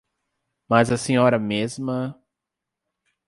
Mas a senhora mesma...